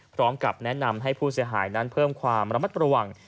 พร้อมกับแนะนำให้ผู้เสียหายนั้นเพิ่มความระมัดระวัง